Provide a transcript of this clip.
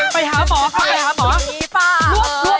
ไปหาหมอค่ะไปหาหมอ